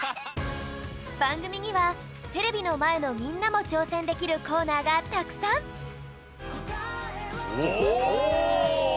ばんぐみにはテレビのまえのみんなもちょうせんできるコーナーがたくさんおお！